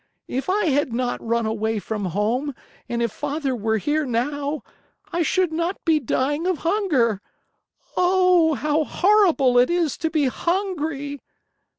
If I had not run away from home and if Father were here now, I should not be dying of hunger. Oh, how horrible it is to be hungry!"